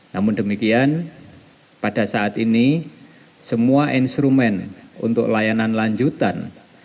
namun demikian pada saat ini semua instrumen untuk layanan lanjutan